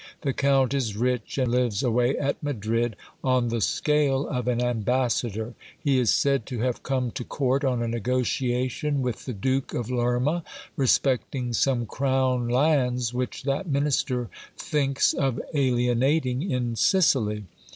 The count is rich, and lives away at Madrid, on the scale of an ambassador. He is said to have come to court on a negotiation with the Duke of Lerma, respecting some crown lands which that minister thinks of alienating in Sicily.